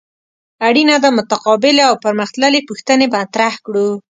اړینه ده متقابلې او پرمخ تللې پوښتنې مطرح کړو.